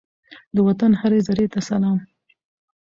د وطن هرې زرې ته سلام!